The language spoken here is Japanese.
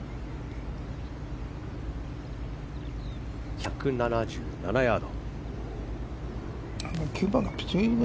１７７ヤード。